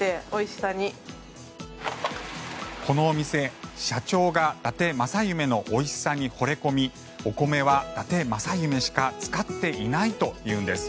このお店、社長がだて正夢のおいしさに惚れ込みお米はだて正夢しか使っていないというんです。